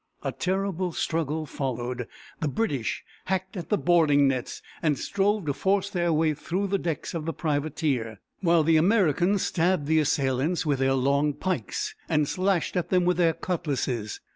A terrible struggle followed. The British hacked at the boarding nets and strove to force their way through to the decks of the privateer, while the Americans stabbed the assailants with their long pikes and slashed at them with their cutlases.